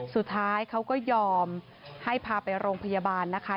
สุดท้ายเขาก็ยอมให้พาไปโรงพยาบาลนะคะ